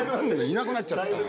いなくなっちゃったよ。